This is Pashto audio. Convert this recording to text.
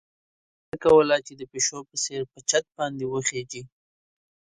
وزې هڅه کوله چې د پيشو په څېر په چت باندې وخېژي.